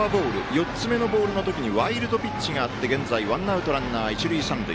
４つ目のボールのときにワイルドピッチがあって現在、ワンアウト、ランナー一塁三塁。